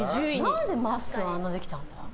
何でまっすー、あんなできたんだ？